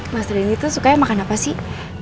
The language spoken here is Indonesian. mas rendy tuh sukanya makan apa sih